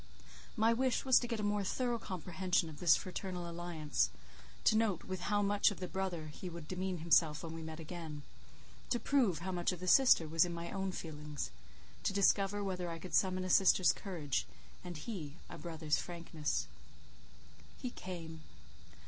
My wish was to get a more thorough comprehension of this fraternal alliance: to note with how much of the brother he would demean himself when we met again; to prove how much of the sister was in my own feelings; to discover whether I could summon a sister's courage, and he a brother's frankness. He came.